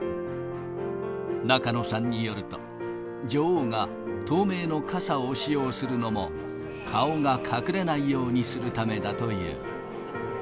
中野さんによると、女王が透明の傘を使用するのも、顔が隠れないようにするためだという。